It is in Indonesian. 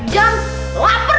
di setiap jam